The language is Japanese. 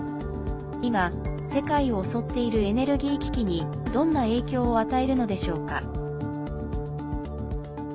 今、世界を襲っているエネルギー危機にどんな影響を与えるのでしょうか。